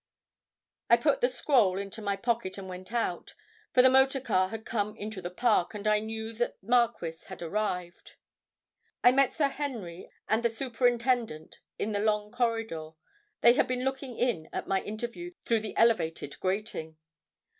I put the scroll into my pocket and went out, for a motorcar had come into the park, and I knew that Marquis had arrived. I met Sir Henry and the superintendent in the long corridor; they had been looking in at my interview through the elevated grating.